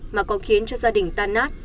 mà còn khiến cho gia đình tan nát